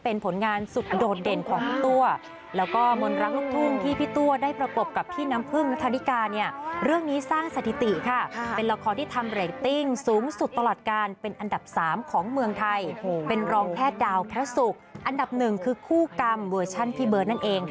เป็นผลงานสุดโดดเด่นของทัวร์แล้วก็มนรักลูกทุ่งที่